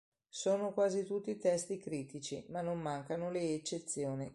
Sono quasi tutti testi critici, ma non mancano le eccezioni.